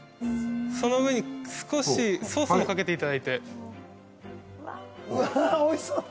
その上に少しソースもかけていただいてうわーうわーおいしそうだな